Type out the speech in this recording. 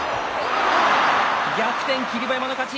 逆転、霧馬山の勝ち。